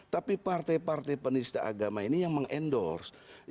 tapi partai partai penista agama ini yang mengendorse